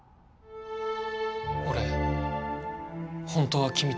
俺本当は君と。